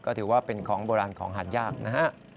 ก็ถือว่าเป็นของโบราณของหาดยากนะฮะ